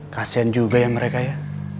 kasian juga ya mereka ya